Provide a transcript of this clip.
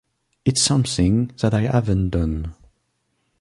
It's something that I haven't done.